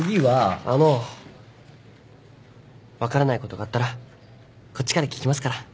あの分からないことがあったらこっちから聞きますから。